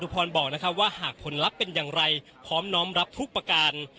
พรบอกว่าหากผลลัพธ์เป็นอย่างไรพร้อมน้อมรับทุกประการ